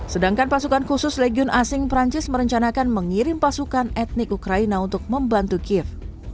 sedangkan pasukan khusus legion asing perancis merencanakan mengirim pasukan etnik ukraina untuk membantu kiev